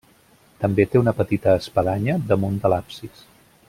També té una petita espadanya damunt de l'absis.